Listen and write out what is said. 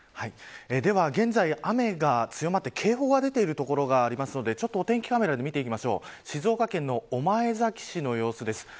では現在、雨が強まって警報が出ている所があるのでお天気カメラで見ていきましょう静岡県の御前崎市の様子です。